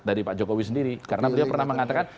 dari pak jokowi sendiri karena beliau pernah mengatakan